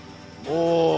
お。